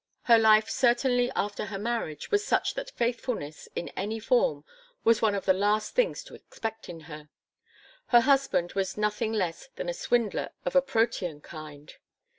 Her life certainly after her marriage was such that faithfulness in any form was one of the last things to expect in her. Her husband was nothing less than a swindler of a protean kind.